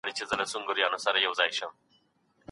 د بل چا عيبونه مه لټوئ.